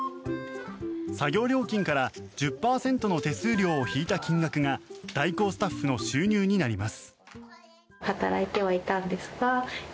作業料金から１０％の手数料を引いた金額が代行スタッフの収入になります。